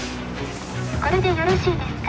「これでよろしいですか？